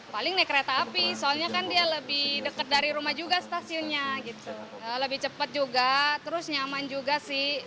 paling naik kereta api soalnya kan dia lebih dekat dari rumah juga stasiunnya gitu lebih cepat juga terus nyaman juga sih